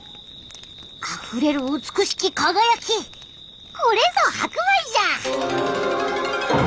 あふれる美しき輝きこれぞ白米じゃ！